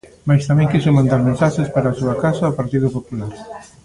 Mais tamén quixo mandar mensaxes para a súa casa, o Partido Popular.